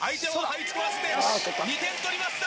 ２点取りました！